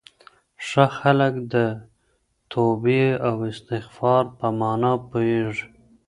ښه خلک د توبې او استغفار په مانا پوهېږي.